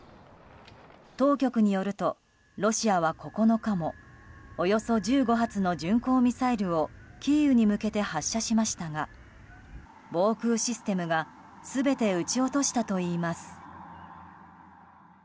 当局によると、ロシアは９日もおよそ１５発の巡航ミサイルをキーウに向けて発射しましたが防空システムが全て撃ち落としたといいます。